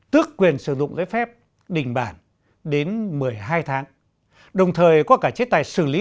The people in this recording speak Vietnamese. tước quyền sử dụng lấy phép đến một mươi hai tháng đồng thời có cả chế tài xử lý